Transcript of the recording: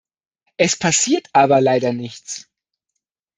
Es passiert aber leider nichts.